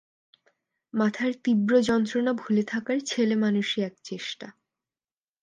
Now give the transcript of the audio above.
মাথার তীব্র যন্ত্রণা ভুলে থাকার ছেলেমানুষি এক চেষ্টা।